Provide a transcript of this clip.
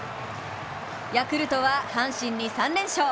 ヤクルトは阪神に３連勝。